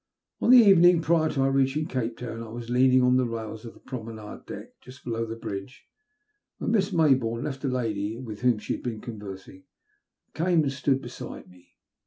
On the evening prior to our reaching Cape Town I was leaning on the rails of the promenade deck, just below the bridge, when Miss Mayboume left a lady with whom she had been conversing, and came and stood beside me.